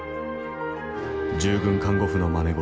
従軍看護婦のまね事。